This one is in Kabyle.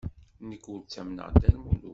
Nekk ur ttamneɣ Dda Lmulud.